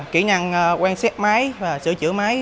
kỹ năng quan sát máy sửa chữa máy